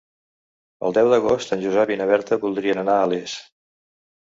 El deu d'agost en Josep i na Berta voldrien anar a Les.